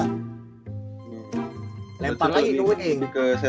lempar lagi ke winning